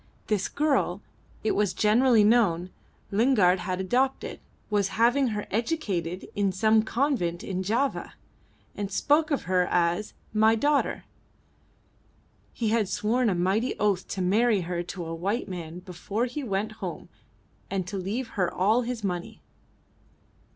This girl, it was generally known, Lingard had adopted, was having her educated in some convent in Java, and spoke of her as "my daughter." He had sworn a mighty oath to marry her to a white man before he went home and to leave her all his money.